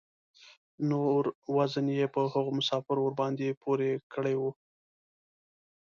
نور وزن یې په هغو مسافرو ورباندې پوره کړی و.